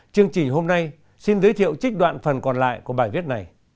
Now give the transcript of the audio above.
chương trình hôm nay xin giới thiệu trích đoạn phần còn lại của bài viết này